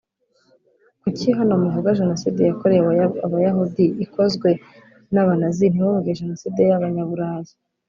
" Kuki hano muvuga Jenoside yakorewe Abayahudi ikozwe n’Abanazi ntimuvuge Jenoside y’Abanyaburayi